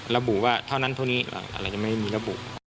ระบุว่าเท่านั้นเท่านี้อะไรจะไม่มีระบุ